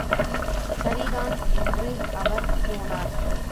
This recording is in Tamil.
சரிதான் என்று அவர் போனார்.